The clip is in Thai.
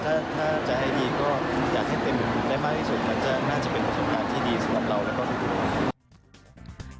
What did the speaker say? ถ้าจะให้ดีก็อยากให้เป็นได้มากที่สุดมันจะน่าจะเป็นประสบการณ์ที่ดีสำหรับเราแล้วก็ทุกคน